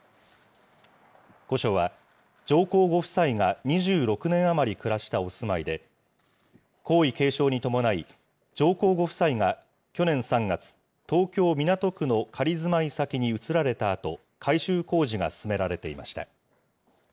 御所は、上皇ご夫妻が２６年余り暮らしたお住まいで、皇位継承に伴い、上皇ご夫妻が、去年３月、東京・港区の仮住まい先に移られたあと、改修工事が進められていました。